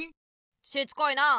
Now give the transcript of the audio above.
しつこいなあ。